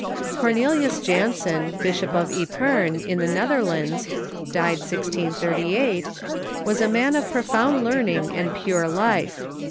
Cornelius Jansen, Bishop of Ypern, in the Netherlands (died 1638), was a man of profound learning and pure life.